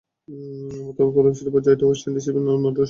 তবে প্রথম শিরোপা জয়টা ওয়েস্ট ইন্ডিজের জন্য মোটেই সহজ হবে না।